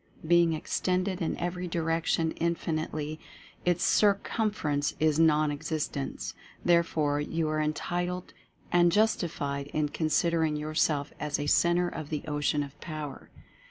Being extended in every direction infin itely, its circumference is nonexistent. Therefore you are entitled and justified in considering yourself as a Centre of the Ocean of Power.